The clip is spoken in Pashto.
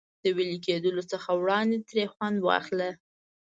د وېلې کېدلو څخه وړاندې ترې خوند واخله.